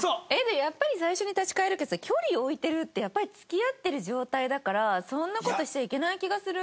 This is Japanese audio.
やっぱり最初に立ち返るけどさ距離置いてるってやっぱり付き合ってる状態だからそんな事しちゃいけない気がする。